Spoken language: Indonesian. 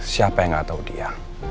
siapa yang nggak tahu dia